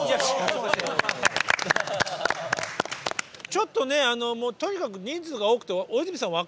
ちょっとねとにかく人数が多くて大泉さん分かりませんから。